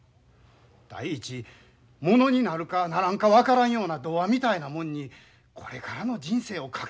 第一ものになるかならんか分からんような童話みたいなもんにこれからの人生を懸けるやなんて。